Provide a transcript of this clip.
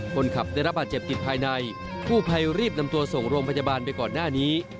คนขับได้รับบาดเจ็บติดภายในกู้ภัยรีบนำตัวส่งโรงพยาบาลไปก่อนหน้านี้